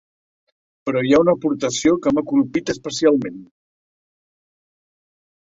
Però hi ha una aportació que m'ha colpit especialment.